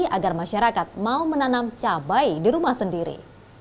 agar masyarakat mau menanam cabai di rumah sendiri